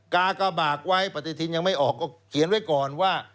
กากบากไว้ปฏิทินยังไม่ออกก็เขียนไว้ก่อนว่า